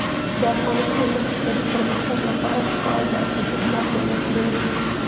د افغانستان د اقتصادي پرمختګ لپاره پکار ده چې تهمت ونکړو.